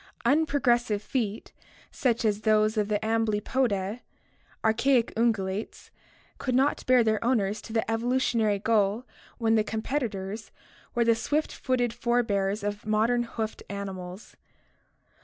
Unprogressive feet, such as those of the Am 228 ORGANIC EVOLUTION blypoda, archaic ungulates, could not bear their owners to the evolutionary goal when the competitors were the swift footed fore bears of modern hoofed animals.